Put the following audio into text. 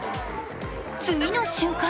次の瞬間